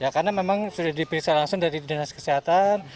karena memang sudah diperiksa langsung dari dinas kesehatan